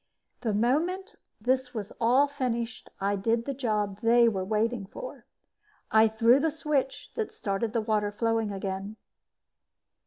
The moment this was all finished, I did the job they were waiting for. I threw the switch that started the water flowing again.